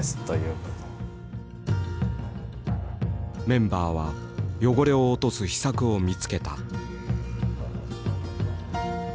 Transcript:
メンバーは汚れを落とす秘策を見つけた。